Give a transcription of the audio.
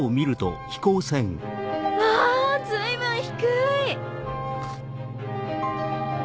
わぁ随分低い！